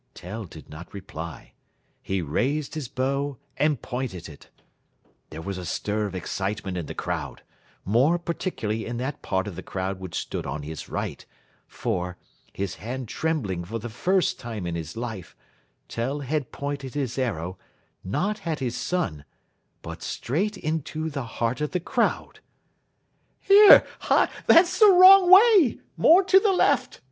Tell did not reply. He raised his bow and pointed it. There was a stir of excitement in the crowd, more particularly in that part of the crowd which stood on his right, for, his hand trembling for the first time in his life, Tell had pointed his arrow, not at his son, but straight into the heart of the crowd. [Illustration: PLATE XI] "Here! Hi! That's the wrong way! More to the left!"